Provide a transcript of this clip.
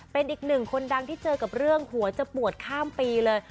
เป็นอีกหนึ่งคนดังที่เจอกับเรื่องหัวจะปวดข้ามปีเลย